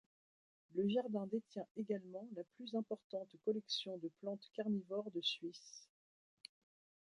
Le jardin détient également la plus importante collection de plantes carnivores de Suisse.